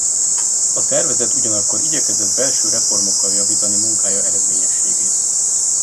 A szervezet ugyanakkor igyekezett belső reformokkal javítani munkája eredményességét.